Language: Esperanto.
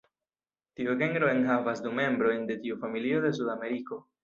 Tiu genro enhavas du membrojn de tiu familio de Sudameriko.